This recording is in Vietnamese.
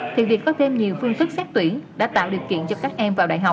thì việc có thêm nhiều phương thức xét tuyển đã tạo điều kiện cho các em